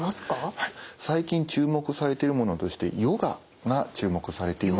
最近注目されているものとしてヨガが注目されています。